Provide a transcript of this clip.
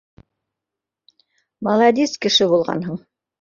— Маладис кеше булғанһың